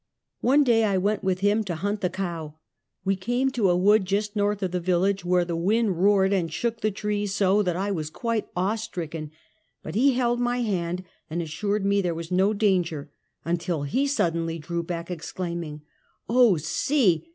One day I went with him to hunt the cow. We came to a wood just north of the village, where the wind roared and shook the trees so that I was quite awe stricken; but he held my hand and assured me there was no danger, until he suddenly drew me back, exclaiming: " Oh see